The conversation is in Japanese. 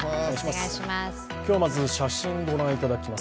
今日はまず写真、ご覧いただきます。